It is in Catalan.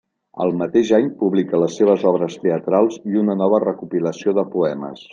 El mateix any publica les seves obres teatrals i una nova recopilació de poemes.